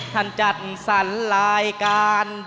จัดสรรรายการ